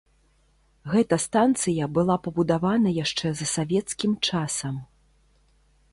Гэта станцыя была пабудавана яшчэ за савецкім часам.